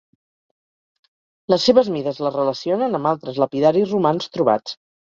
Les seves mides la relacionen amb altres lapidaris romans trobats.